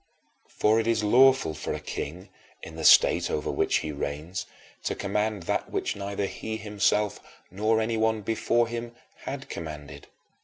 For it is lawful for a king, in the state over which he reigns, to command that which neither he himself nor anyone before him had commanded.